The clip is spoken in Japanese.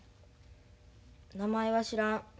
名前は知らん。